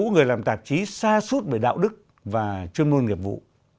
người làm tạp chí xa suốt bởi đạo đức và chuyên môn nghiệp vụ